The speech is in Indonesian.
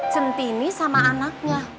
centini sama anaknya